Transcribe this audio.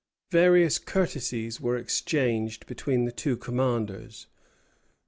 Various courtesies were exchanged between the two commanders.